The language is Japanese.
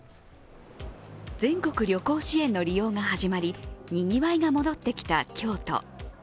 全国旅行支援の利用が始まり、にぎわいが戻ってきた京都。